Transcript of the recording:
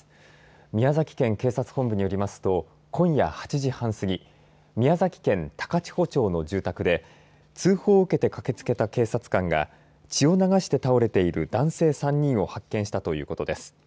宮崎県警察本部によりますと今夜８時半すぎ宮崎県高千穂町の住宅で通報を受けて駆けつけた警察官が血を流して倒れている男性３人を発見したということです。